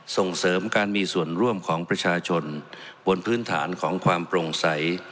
ส่งเสริมการมีส่วนร่วมของประชาชนบนพื้นฐานของความโปร่งใส